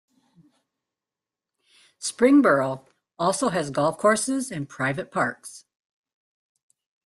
Springboro also has golf courses and private parks.